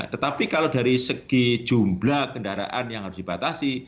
tetapi kalau dari segi jumlah kendaraan yang harus dibatasi